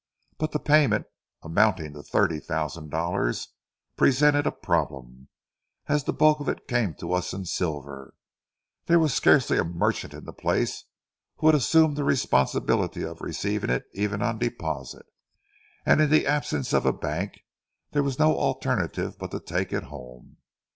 But the payment, amounting to thirty thousand dollars, presented a problem, as the bulk of it came to us in silver. There was scarcely a merchant in the place who would assume the responsibility of receiving it even on deposit, and in the absence of a bank, there was no alternative but to take it home.